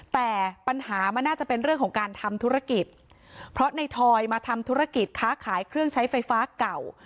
แต่ปัญหามันน่าจะเป็นเรื่องของการทำธุรกิจเพราะในทอยมาทำธุรกิจค้าขายเครื่องใช้ไฟฟ้าเก่า